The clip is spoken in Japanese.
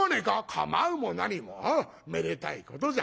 「構うも何もめでたいことじゃ。